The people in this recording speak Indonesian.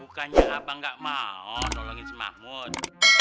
bukannya abang enggak mau nolongin si mahmud